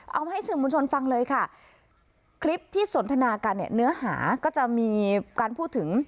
เอามาให้สื่อมวลชนฟังเลยค่ะคลิปที่สนทนากันเนี่ยเนื้อหาก็จะมีการพูดถึง